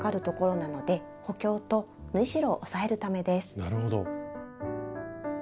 なるほど。